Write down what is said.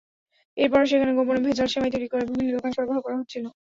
এরপরও সেখানে গোপনে ভেজাল সেমাই তৈরি করে বিভিন্ন দোকানে সরবরাহ করা হচ্ছিল।